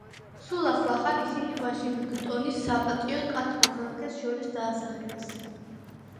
სულ ახლახან, ისინი ვაშინგტონის საპატიო ათ მოქალაქეს შორის დაასახელეს.